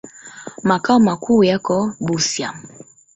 Makao makuu yako Busia.